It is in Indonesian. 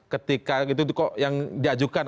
ketika itu kok yang diajukan